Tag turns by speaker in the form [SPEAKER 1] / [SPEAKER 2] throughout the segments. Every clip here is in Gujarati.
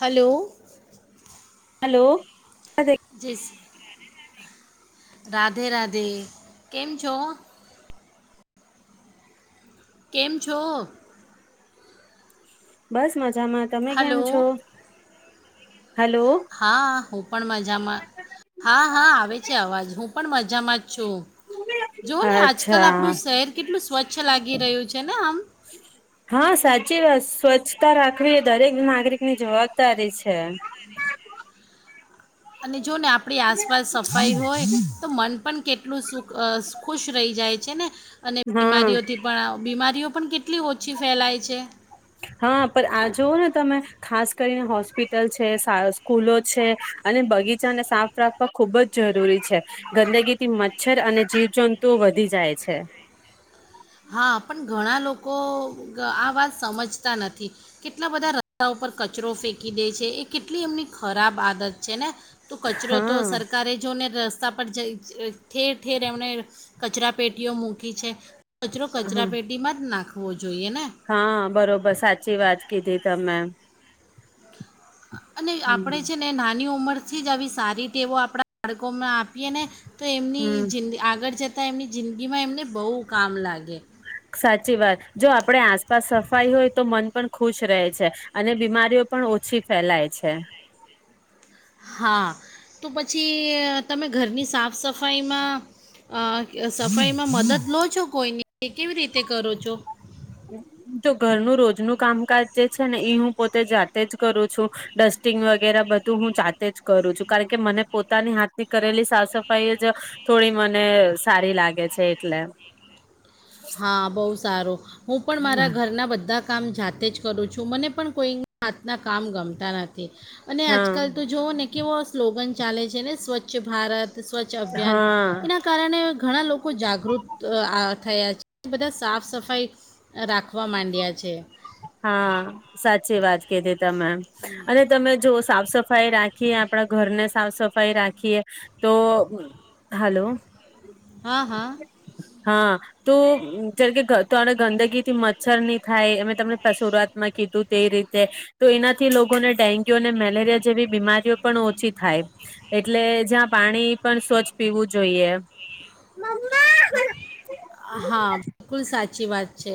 [SPEAKER 1] હલો
[SPEAKER 2] હલો
[SPEAKER 1] જય શ્રી રાધે રાધે કેમ છો? કેમ છો?
[SPEAKER 2] બસ મ મજામાં તમે કેમ છો?
[SPEAKER 1] હલો
[SPEAKER 2] હલો
[SPEAKER 1] હા હું પણ મજામાં હા-હા આવે છે, અવાજ હું પણ મજામાં છું, જો ને આજ કલ
[SPEAKER 2] અચ્છા
[SPEAKER 1] આપણું શહેર કેટલું સ્વચ્છ લાગી રહ્યું છે ને આમ
[SPEAKER 2] હા સાચી વાત સ્વચ્છતા રાખવી એ દરેક નાગરિક ની જવાબદારી છે.
[SPEAKER 1] અને જોને આપ પણી આસપાસ સફાઈ હોય તો મન પણ કેટલું સુ અહ ખુશ રહી જાય. છે ને અને
[SPEAKER 2] હા
[SPEAKER 1] બીમારીઓથી પણ આવ બીમારીઓ પણ કેટ
[SPEAKER 2] હા પણ આ જોવોને તમે ખાસ કરીને હોસ્પિટલ છે, શા સ્કૂલો છે અને બગીચાને સાફ રાખવા ખૂબ જ જરૂરી છે. ગંદગી થી મચ્છર અને જીવજંતુ વધી જાય છે.
[SPEAKER 1] હા પણ ઘણાં લોકો તો આ વાત સમજતા નથી. કેટલાં બધાં રસ્તા ઉપર કચરો ફેંકી દે છે, એ કેટલી એમની ખરાબ આદત છે ને! તો કચરો તો
[SPEAKER 2] હા
[SPEAKER 1] સરકારે જો ને રસ્તા પર જઈ જ ઠેર ઠેર એમને કચરા પેટીઓ મૂકી છે. કચરો કચરા પેટીમાં જ નાખવો જોઈએ ને
[SPEAKER 2] હા બરોબર સાચી વાત કીધી તમે.
[SPEAKER 1] અને આપડે
[SPEAKER 2] હમ
[SPEAKER 1] છે ને નાની ઉંમર થી જ આવી સારી ટેવો આપણા બાળકો માં આપીએ ને તો એમની
[SPEAKER 2] હમ
[SPEAKER 1] જિંદ આગળ જતા જતા એમની જિંદગીમાં એમને બહુ કામ લાગે.
[SPEAKER 2] સાચી વાત જો આપણે આસપાસ સફાઈ હોય તો મન પણ ખુશ રહે છે અને બીમારીઓ પણ ઓછી ફેલાય છે.
[SPEAKER 1] હા તો પછી તમે ઘરની સાફ સફાઈમાં અહ સફાઈમાં મદદ લો છો કોઈની, કે કેવી રીતે કરો છો?
[SPEAKER 2] તો ઘરનું રોજનું કામકાજ જે છે ને ઈ હું પોતે જાતે જ કરું છું ડસ્ટિંગ વગેરા બધું હું જાતે જ કરું છું કારણ કે મને પોતાની હાથની કરેલી સાફ સફાઈ જ થોડી મને સારી લાગે છે એટલે.
[SPEAKER 1] હા બહુ સારું. હું પણ મારા ઘરના બધા કામ જાતે જ કરું છું, મને પણ કોઈ હાથના કામ ગમતા નથી. થી અને
[SPEAKER 2] હા
[SPEAKER 1] આજકલ તો જોવો ને કેવો સ્લોગન ચાલે છે ને સ્વચ્છ ભારત સ્વચ્છ અભિયાન,
[SPEAKER 2] હા
[SPEAKER 1] એના કારણે ઘણા લો કો જાગૃત અહ આ થયા છે. બધા સાફ સફાઈ રાખવા માંડ્યા છે
[SPEAKER 2] હા સાચી વાત કીધી તમે અને તમે જોવો સાફ સફાઈ રાખીએ આપણા ઘરને સાફ સફાઈ રાખીએ તો હાલો
[SPEAKER 1] હા હા
[SPEAKER 2] હા તો જેમ કે તરે ગંદકી થી મચ્છર ની થાય અમે તમને પણ શરૂઆત માં કીધું તે રીતે તો એનાથી લોકોને ડેન્ગ્યુ અને મેલેરિયા જેવી બીમારીઓ પણ ઓછી થાય એટલે જ્યાં પાણી પણ સ્વચ્છ પીવું જોઈએ મમ્મા
[SPEAKER 1] હા હા કુલ સાચી વાત છે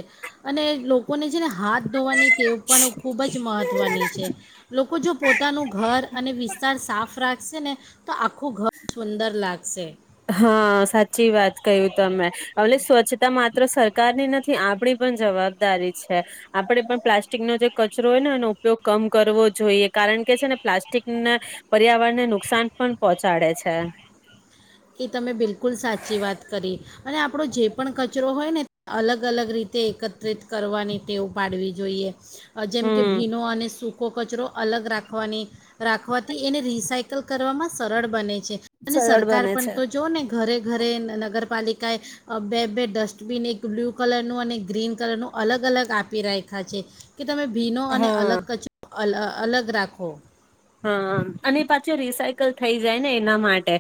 [SPEAKER 1] અને લોકોને છે ને હાથ ધોવાની ટેવ પણ ખૂબ જ મહત્વની છે લોકો જો પોતાનું ઘર અને વિસ્તાર સાફ રાખે સે ને તો આખું ઘર સુંદર લાગે સે
[SPEAKER 2] હા સાચી વાત કહ્યું તમે એટલે સ્વચ્છતામાં જ માત્ર સરકારની નથી આપણી પણ જવાબદારી છે આપણે પણ પ્લાસ્ટિકનો જે કચરો હોય ને એનો ઉપયોગ કમ કરવો જોઈએ કારણ કે છે ને પ્લાસ્ટિકને પર્યાવરણને નુકસાન પણ પહોંચાડે છે
[SPEAKER 1] એ તમે બિલકુલ સાચી વાત કરી. અને આપણો જે પણ કચરો હોયને અલગ અલગ રીતે એકત્રિત કરવાની ટેવ પાડવી જોઈએ. જેમ કે
[SPEAKER 2] હમ
[SPEAKER 1] ભીનો અને સુખો. કચરો અલગ રાખવાની રાખવાથી એને રિસાયકલ કરવામાં સરળ બને છે. છે અને
[SPEAKER 2] સરળ
[SPEAKER 1] સરકાર.
[SPEAKER 2] બને
[SPEAKER 1] પણ
[SPEAKER 2] છે
[SPEAKER 1] તો જો ને ઘરે ઘરે નગરપાલિકા [unintelligible] બે બે ડસ્ટબિન એક બ્લુ કલર નું અને ગ્રીન કલર નું અલગ અલગ આપી રાખ્યા છે. કે તમે ભીનો અને
[SPEAKER 2] હા
[SPEAKER 1] અલગ કચો અલ અલગ રાખો.
[SPEAKER 2] હા અને પાછો રિસાયકલ થઈ જાયને એના માટે.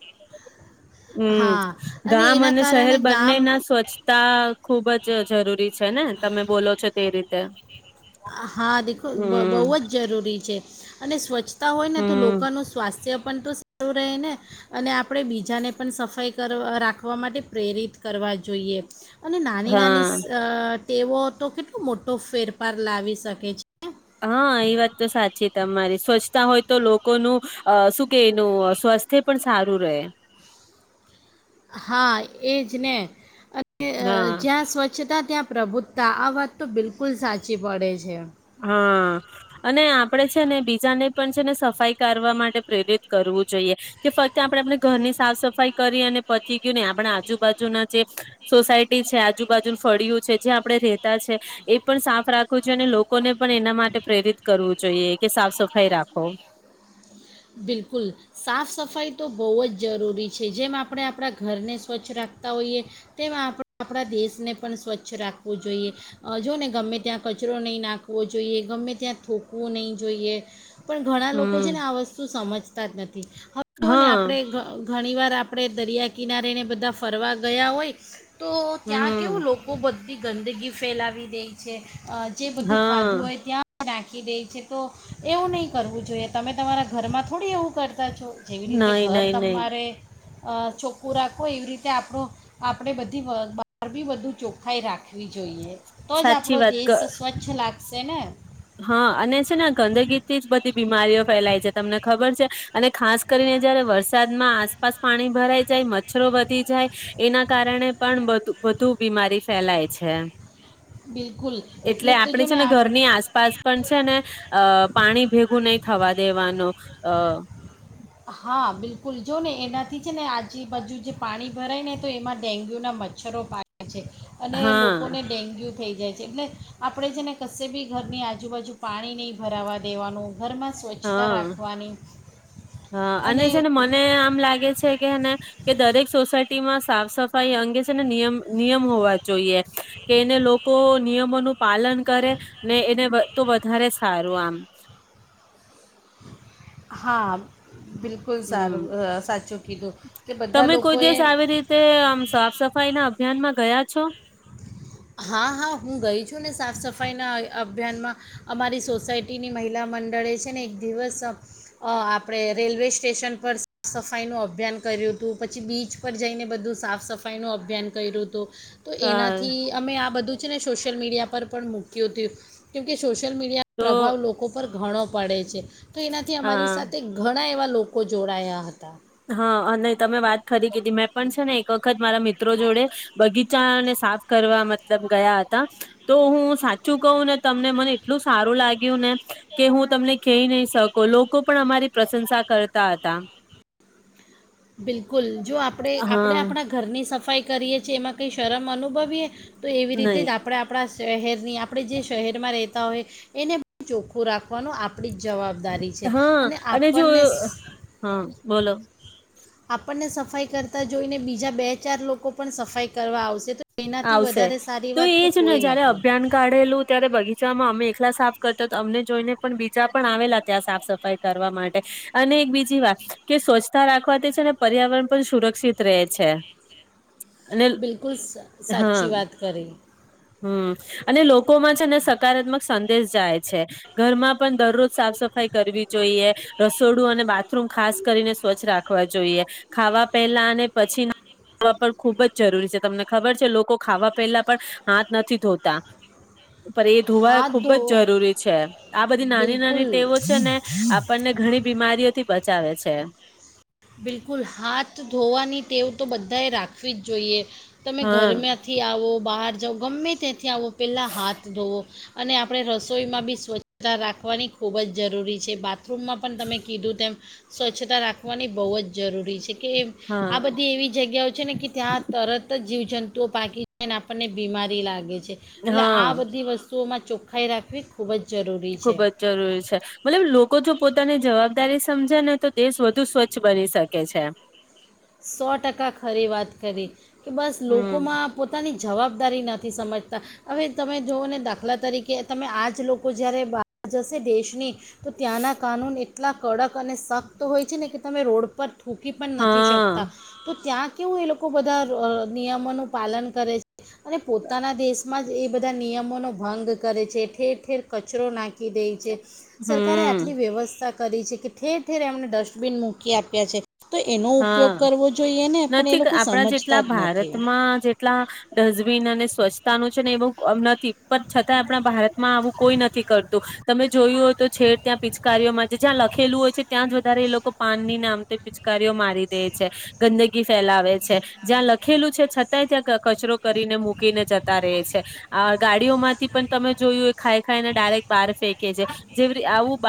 [SPEAKER 2] [inaudible] હમ્મ
[SPEAKER 1] હા
[SPEAKER 2] ગામ
[SPEAKER 1] એના
[SPEAKER 2] અને
[SPEAKER 1] કારણે
[SPEAKER 2] શહેર બંને
[SPEAKER 1] ગામ
[SPEAKER 2] ના સ્વચ્છતા ખુબ જ જ જરૂરી છે ને તમે બોલો છો તે રીતે. ત.
[SPEAKER 1] હા દીખો બહુ જ જરૂરી છે અને સ્વચ્છતા હોય ને તો
[SPEAKER 2] હમ
[SPEAKER 1] લોકોનું સ્વાસ્થ્ય પણ તો સારું રહે ને અને આપણે બીજાને પણ સફાઈ કરવા રાખવા માટે પ્રેરિત કરવા જોઈએ. અને નાની નાની
[SPEAKER 2] હા
[SPEAKER 1] સા તેવો તો કેટલો મોટો ફેર પાર લાવી શકે છે.
[SPEAKER 2] હા એ વાત તો સાચી તમારી સ્વચ્છતા હોય તો લોકોનું શું કે એનું સ્વાસ્થ્ય પણ સારું રહે.
[SPEAKER 1] હા એજ ને. કે
[SPEAKER 2] હા
[SPEAKER 1] જ્યાં સ્વ સ્વચ્છતા ત્યાં પ્રભુત્તા આ વાત તો બિલકુલ સાચી પડે છે.
[SPEAKER 2] હા અને આપડે છે ને બીજાને પણ છે ને સફાઈ કરવા માટે પ્રેરિત કરવું જોઈએ. કે ફક્ત આપણે આપણી ઘરની સાફ સફાઈ કરી અને પચી ગયું ને આપણા આજુબાજુના જે સોસાયટી છે, આજુબાજુ ફળિયું છે, જે આપડણે રેતા છે, એ પણ સાફ રાખવું જોઈએ અને લોક કોને પણ એના માટે પ્રેરિત કરવું જોઈએ કે સાફ સફાઈ રાખો.
[SPEAKER 1] બિલકુલ સાફ સફાઈ તો બહુ જ જરૂરી છે. જેમ આપણે આપણા ઘરને સ્વચ્છ રાખતા હોઈએ તેમ આપ આપણા દેશને પણ સ્વચ્છ રાખવું જોઈએ. અહ જો ને ગમે ત્યાં કચરો નહીં નાખવો જોઈએ. ગમે ત્યાં થોકવું નહીં જોઈએ. પણ ઘણા લોકો જે
[SPEAKER 2] હમ
[SPEAKER 1] ને આ વસ સમજતા જ નથ થી. હવે ને
[SPEAKER 2] હા
[SPEAKER 1] આપડે ઘ-ઘણી વાર આપ પણે દરિયા કિનારેને બધા ફરવા ગયા હોય તો ત્યાં
[SPEAKER 2] હમ
[SPEAKER 1] કેવું લોકો બધ ધી ગંદગી ફેલાવી દેઈ છે. અહ જે બધું ખાધું
[SPEAKER 2] હા
[SPEAKER 1] હોય ત્યાં નાખી દેઈ છે તો એવું નહીં કરવું જોઈએ તમે તમારા ઘરમાં થોડી એવું કર કર છો જેવી રીતે
[SPEAKER 2] નહી
[SPEAKER 1] ઘર
[SPEAKER 2] નહી નહી
[SPEAKER 1] તમારે અ ચોખ્ખું રાખો એવી રીતે આપણો આપણે બધી બ બહાર બી બધું ચોખ્ખાઈ રાખવી જોઈએ. તો જ
[SPEAKER 2] સાચી
[SPEAKER 1] આપડો
[SPEAKER 2] વાત ગ
[SPEAKER 1] દેશ સ્વચ્છ લાગ સેને?
[SPEAKER 2] હા અને છેને ગંદગીથી જ બધી બીમારીઓ ફેલાય છે. તમને ખબર છે અને ખાસ કરીને જયારે વરસાદમાં આસપાસ પાણી ભરાઈ જાય મચ્છરો વધી જાય એના કારણે પણ બધુ વધુ બીમારી ફેલાય છે.
[SPEAKER 1] બિલકુલ એટલે તો
[SPEAKER 2] આપણે
[SPEAKER 1] જો
[SPEAKER 2] છે
[SPEAKER 1] ને આ
[SPEAKER 2] ઘરની આસપાસ પણ છેને અ પાણી ભેગું નહી થવા દેવાનું અ
[SPEAKER 1] હા બિલકુલ જો ને એનાથી છે, ને આજુ બાજુ જે પાણી ભરાય ને તો એમાં ડેન્ગ્યુ ના મચ્છરો પાડ છે અને
[SPEAKER 2] હા
[SPEAKER 1] લોકોને ડેન્ગ્યુ થઈ જાય. એટલે આપણે જે ને કશે બી ઘરની આજુબાજુ પાણી નહીં ભરાવા દેવાનું, ઘરમાં સ્વચ્છતા
[SPEAKER 2] હા
[SPEAKER 1] રાખવાની.
[SPEAKER 2] હા અને છેને મને મ લાગે છે, કેને કે દરેક સોસાયટીમાં સાફ સફાઈ અંગે છે, ને નિયમ નિયમ હોવા જોઈએ કે એને લોકો નિયમોનું પાલન કરે ને એને વ તો વધારે સારું આમ.
[SPEAKER 1] હા. બિલકુલ
[SPEAKER 2] હમ્મ.
[SPEAKER 1] સારું અ, સાચું કીધું કે બધા
[SPEAKER 2] તમે કોઈ દિવસ
[SPEAKER 1] લોકોએ
[SPEAKER 2] આવી રીતે આમ સાફ સફાઈ ના અભિયાનમાં ગયા? છ.
[SPEAKER 1] હા હા હું ગઈ છું ને સાફ સફાઈના અ અભિયાનમાં અમારી સોસાયટીની મહિલા મંડળે છેને એક દિવસ આપણે રેલવે સ્ટેશન પર સ સફાઈનું અભિયાન કર્યું હતું પછી બીચ પર જઈને બધું સાફ સફાઈનું અભિયાન કરયુ તું. તો
[SPEAKER 2] અ
[SPEAKER 1] એનાથી કે આ બધું છે ને સોશિયલ મીડિયા પર પણ મૂક્યું તું. કેમ કે સોશ સોશિયલ મીડિયા
[SPEAKER 2] તો
[SPEAKER 1] પ્રભાવ લોકો પર ઘણો પડે છે. તો એનાથી
[SPEAKER 2] અ
[SPEAKER 1] અમારી સાથે ઘણા એવા લોકો જોડાયા હતા.
[SPEAKER 2] હા અને તમે વાક ખરી કીધી મેં પણ છેને એક વખત મારા મિ મિત્રો જોડે બગીચાને સાફ કરવા મતલબ ગયા હતા તો હું સાચું કહું ને તમને મને એટલું સારું લાગ્યું ને કે હું તમને કઈબી નહી સકુ લોકો પણ અમારી પ્રશંસા કરતા હતા.
[SPEAKER 1] બિલ કુલ જો આપણે આપણે
[SPEAKER 2] હા
[SPEAKER 1] આપણા ઘરની સફાઈ કરીએ છીએ એમાં કઈ શરમ અનુભવીએ? તો એવી રીતે
[SPEAKER 2] નહી
[SPEAKER 1] જ આપણે આપણા શહેરની આપણે જે શહેરમાં રહેતા હોય એને ચોખ્ખું રાખવાનું આપ
[SPEAKER 2] હા અને જો,
[SPEAKER 1] આપણને
[SPEAKER 2] હા બોલો.
[SPEAKER 1] આપનને સફાઈ કરતા જોઈને બીજા બે ચાર લોકો પણ સફાઈ કરવા આવ
[SPEAKER 2] આવશે. તો એજ ને
[SPEAKER 1] કોઈ
[SPEAKER 2] જયારે
[SPEAKER 1] નથી
[SPEAKER 2] અભિયાન કાઢેલું ત્યારે બગીચામાં અમે એક લા સાફ કરતા થા. અમને જોઈને પણ બીજા પણ આવેલા ત્યાં સાફ સફાઈ કરવા માટે. અને એક બીજી વાત કે સ્વચ્છતા રાખવા તે છે ને પર્યાવરણ પણ સુરક્ષિત રહે છે. અને
[SPEAKER 1] બિલકુલ સ
[SPEAKER 2] હા
[SPEAKER 1] સાચી વાત કરે.
[SPEAKER 2] હમ અને લોકોમાં છે ને સકારાત્મક સંદેશ જાય છે ઘરમાં પણ દરરોજ સાફ સફાઈ કરવી જોઈએ રસોડું અને બાથરૂમ ખાસ કરીને સ્વચ્છ રાખવા જોઈએ ખાવા પહેલા અને પછી પણ ખુબ જ જરૂરી છે તમને ખબર છે લોકો ખાવા પેલા પણ હાથ નથી ધોતા. પર એ ધોવા
[SPEAKER 1] હાથ
[SPEAKER 2] ખુબ
[SPEAKER 1] ધો
[SPEAKER 2] જ જરૂરી છે આ બધી નાની નાની
[SPEAKER 1] બિલકુલ
[SPEAKER 2] ટેવો છે ને આપણને ઘણી બીમારીઓથી બચાવે છે.
[SPEAKER 1] બિલકુલ હાથ ધોવાની ટેવ તો બધાએ રાખે રાખવી જ જોઈએ. તમે
[SPEAKER 2] હા
[SPEAKER 1] ઘરમાંથી આવો બહાર જઓ ગમે ત્યાંથી આવો પહેલાં હાથ ધોવો અને આપણે રસોઈમાં બી સ્વચ્છતા રાખવાની ખૂબ જ જરૂરી છે બાત રૂમમાં પણ તમે કીધું તેમ સ્વચ્છતા રાખવાની બહુ જ જરૂરી છે. કે
[SPEAKER 2] હા
[SPEAKER 1] આ બધી એવી જગ્યાઓ છે ને કે ત્યાં તરત જીવ જંતુઓ પાકી જને આપણને બીમારી લાગે છે. એટલે
[SPEAKER 2] હા
[SPEAKER 1] આ બધી વસ્તુઓમાં ચોખાાઈ રાખવી ખૂબ જ જરૂરી છે
[SPEAKER 2] ખુબ જ જરૂરી છે મતલબ લોકો જો પોતાને જવા વધારે સમજે ને, તો દેશ વધુ સ્વચ્છ બની શકે છે.
[SPEAKER 1] સો ટકા ખરી વાત કરી, કે બસ
[SPEAKER 2] હમ
[SPEAKER 1] લોકોમાં પોતાની જવાબદારી નથી સમજતા. હવે તમે જુઓ ને દાખલા તરીકે તમે આજ લોકો જ્યારે બહાર જશે દેશની, તો ત્યાંના કાનૂન એટલા કડક અને શક્ત હોય છે ને તમે રોડ પર થુંકી પણ નથી
[SPEAKER 2] હા
[SPEAKER 1] શક તો ત્યાં કેવું એ લોકો બધા નિયમોનું પાલન કરે છે. અને પોતાના દેશમાં જ એ બધા નિયમો નો ભંગ કરે છે, ઠેર ઠેર કચરો નાખ દે છે. સરકારે
[SPEAKER 2] હમ
[SPEAKER 1] આટલી વ્યવસ્થા કરી છે કે ઠેર ઠેર એમણે ડસ્ટબિન મૂકી આપ્યા છે. તો એનો
[SPEAKER 2] હા
[SPEAKER 1] ઉપયોગ કરવો જોઈએ ને પણ એ
[SPEAKER 2] નથી
[SPEAKER 1] લોકો
[SPEAKER 2] આપડા જેટલા
[SPEAKER 1] સમજતા જ નથી
[SPEAKER 2] ભારતમાં જેટલા ડસ્ટબિન અને સ્વચ્છ તા નું છે ને એવું નથી, પણ છતાં આપણા ભારતમાં આવું કોઈ નથી કરતું, તમે જોયું હો તો છેડ ત્યાં પિચકારીઓમાં, જ્યાં લખેલું હોય છે ત્યાંજ વધારે એ લોકો પાન ની નામ પિચકા કારિયો મારી દે છે, ગંદગી ફેલાવે છે, જ્યાં લખેલું છે છતાંય ત્યાં કચરો કરીને મૂકીને જતા રહે છે. આ ગાડીઓમાંથી પણ તમે જોયું એ ખાઈ ખાઈને ડાયરેક્ટ બહાર ફેંકે છે, જે આવું બ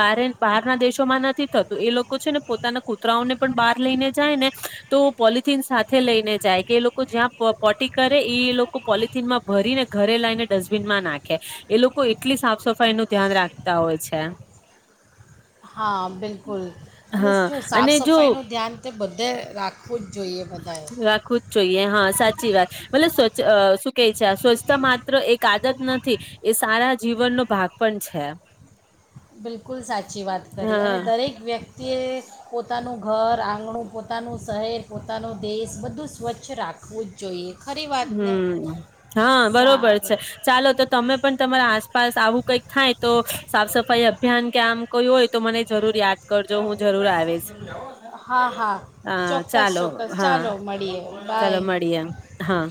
[SPEAKER 2] બહાર ના દેશોમાં નથી થતું. એ લોકો છે ને પોતાના કૂતરાઓને પણ બહાર લઈને જાય ને તો પોલથીન સાથે લઈને જાય કે એ લોકો જ્યાં પોટી કરે એ લોકો પોલથીનમાં ભરીને ઘરે લઈને ડસ્ટબિનમાં નાખે. એ લોકો એટલી સાફ સફાઈ નું ધ્યાન રાખતા હોય છે.
[SPEAKER 1] હા, બિલકુલ અને
[SPEAKER 2] હા
[SPEAKER 1] જો સાફ
[SPEAKER 2] અને જો
[SPEAKER 1] સફાઈ ન બધાએ
[SPEAKER 2] રાખવું જ જોઈએ, હા, સાચી વાત. મતલબ ચ અહ શું કહે છે, આ સ્વચ્છા માત્ર એક આદત નથી. એ સારા જીવનનો ભાગ પણ છે એમ.
[SPEAKER 1] બિલકુલ સાચી વાત કરી, અને દરેક વ્યક્તિએ પોતાનું ઘર, આંગણું, પોતાનું શહેર, પોતાનો દેશ બધું સ્વચ્છ રાખવું જ જોઈએ. ખરી વાતને
[SPEAKER 2] હમ્મ હા. બરોબર છે,
[SPEAKER 1] સારું
[SPEAKER 2] ચાલો તો તમે પણ તમારા આસપાસ આવું કંઈક થાય તો સાફ સફાઈ અભિયાન કે આમ કોઈ હોય તો મને જરૂર યાદ કરજો, હું જરૂર આવીશ.
[SPEAKER 1] હા હા
[SPEAKER 2] હા,
[SPEAKER 1] ચોક્કસ
[SPEAKER 2] ચાલો,
[SPEAKER 1] ચોક્કસ
[SPEAKER 2] હા.
[SPEAKER 1] ચાલો મળીએ
[SPEAKER 2] ચાલો
[SPEAKER 1] બાય
[SPEAKER 2] મળી એમ, હા.